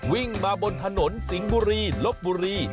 วิ่งมาบนถนนสิงห์บุรีลบบุรี